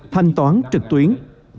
thành toán trực tuyến